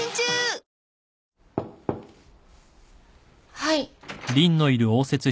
・はい。